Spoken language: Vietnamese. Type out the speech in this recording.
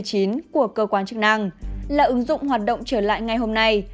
của cơ quan chức năng là ứng dụng hoạt động trở lại ngày hôm nay